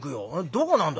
どこなんだ？」。